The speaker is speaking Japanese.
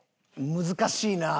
難しいな。